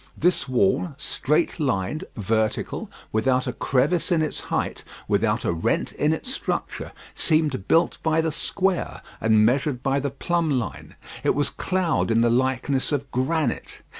This wall, straight lined, vertical, without a crevice in its height, without a rent in its structure, seemed built by the square and measured by the plumb line. It was cloud in the likeness of granite.